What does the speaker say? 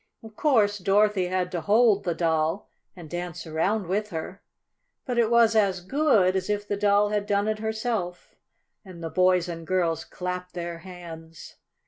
Of course Dorothy had to hold the Doll and dance around with her, but it was as good as if the Doll had done it herself, and the boys and girls clapped their hands.